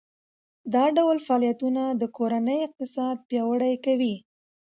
دا ډول فعالیتونه د کورنۍ اقتصاد پیاوړی کوي.